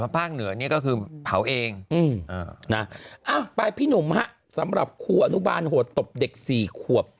ภาคเหนือนี่ก็คือเผาเองเอ้าไปพี่หนุ่มสำหรับครูอนุบัญหัวตกเด็กสี่คลวบ